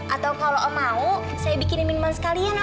atau kalau om mau saya bikinin minuman sekalian om